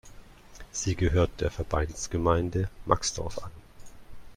Sie gehört der Verbandsgemeinde Maxdorf an.